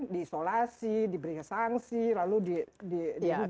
diisolasi diberi sanksi lalu dihujan